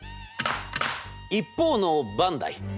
一方のバンダイ。